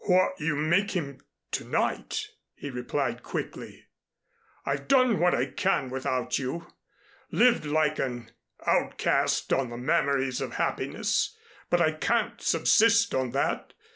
"What you make him to night," he replied quickly. "I've done what I can without you lived like an outcast on the memories of happiness, but I can't subsist on that.